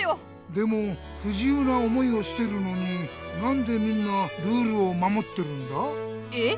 でもふじゆうな思いをしてるのになんでみんなルールをまもってるんだ？え？